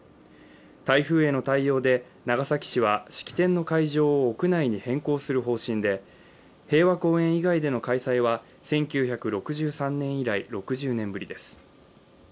台風への対応で、長崎市は式典の会場を屋内に変更する方針で平和公園以外での開催は１９６３年以来６０年ぶりです。